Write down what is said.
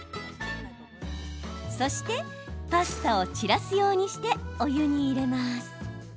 そしてパスタを散らすようにしてお湯に入れます。